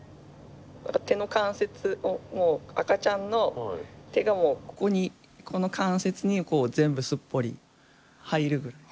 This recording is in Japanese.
手の関節も赤ちゃんの手がもうここにここの関節に全部すっぽり入るぐらい。